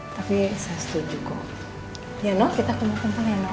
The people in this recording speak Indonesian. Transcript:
tapi saya setuju kok ya nol kita kumpul ya nol